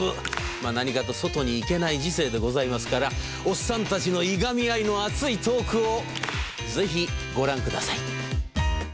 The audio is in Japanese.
まあ何かと外に行けない時世でございますからおっさんたちのいがみ合いの熱いトークをぜひご覧ください。